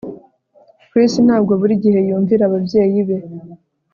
Chris ntabwo buri gihe yumvira ababyeyi be